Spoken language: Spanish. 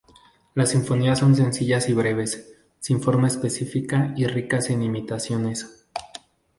Las sinfonías son sencillas y breves, sin forma específica y ricas en imitaciones.